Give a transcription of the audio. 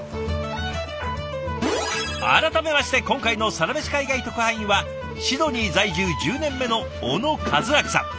改めまして今回のサラメシ海外特派員はシドニー在住１０年目の小野一秋さん。